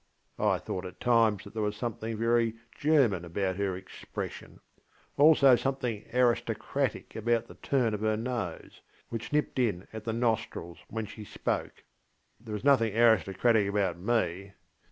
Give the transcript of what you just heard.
I thought at times that there was something very German about her expression; also something aristocratic about the turn of her nose, which nipped in at the nostrils when she spoke. There was nothing aristocratic about me.